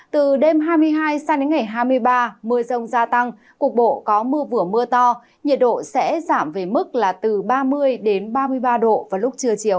từ đêm hai mươi hai sang đến ngày hai mươi ba mưa rông gia tăng cục bộ có mưa vừa mưa to nhiệt độ sẽ giảm về mức là từ ba mươi đến ba mươi ba độ vào lúc trưa chiều